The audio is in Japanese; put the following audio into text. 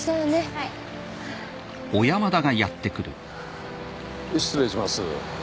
はい失礼します